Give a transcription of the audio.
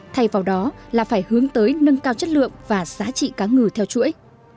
thay vào đó là phải hướng tới nâng cao chất lượng và giá trị cá ngừ theo chuỗi